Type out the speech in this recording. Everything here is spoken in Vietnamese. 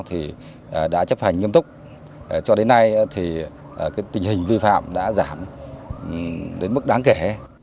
thì đã chấp hành nghiêm túc cho đến nay thì tình hình vi phạm đã giảm đến mức đáng kể